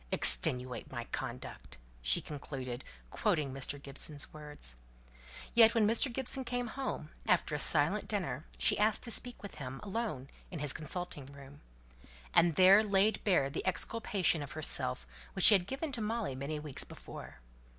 'Extenuate my conduct!'" she concluded, quoting Mr. Gibson's words. Yet when Mr. Gibson came home, after a silent dinner, she asked to speak with him, alone, in his consulting room; and there laid bare the exculpation of herself which she had given to Molly many weeks before.